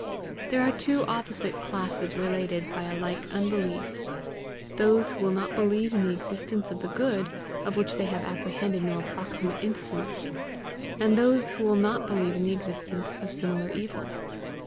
There are two opposite classes related by a like unbelief those who will not believe in the existence of the good of which they have apprehended no approximate instance, and those who will not believe in the existence of similar evil.